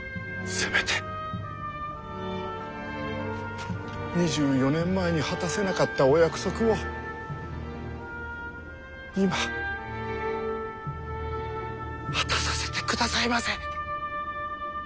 せめて２４年前に果たせなかったお約束を今果たさせてくださいませ！